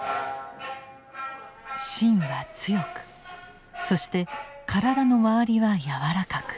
芯は強くそして体のまわりは柔らかく。